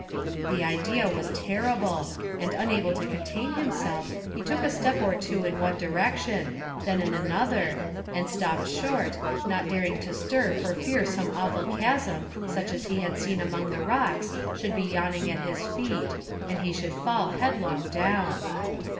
The idea was terrible, and unable to contain himself he took a step or two in one direction, then in another, and stopped short, not daring to stir for fear some awful chasm such as he had seen among the rocks should be yawning at his feet, and he should fall headlong down.